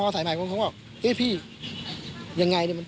พอใส่ใหม่น่ะปื้มเนี้ยก็คือมันตายปกตินะ